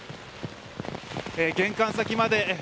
玄関先まで。